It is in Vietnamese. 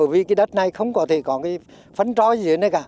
vì đất này không có thể có phân trói gì ở đây cả